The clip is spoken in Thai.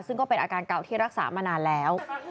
ซึ่งก็เป็นอาการเก่าที่รักษามานานแล้ว